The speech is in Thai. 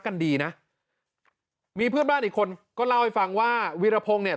กันดีนะมีเพื่อนบ้านอีกคนก็เล่าให้ฟังว่าวีรพงศ์เนี่ย